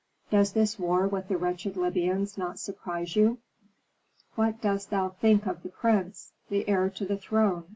Does this war with the wretched Libyans not surprise you?" "What dost thou think of the prince, the heir to the throne?"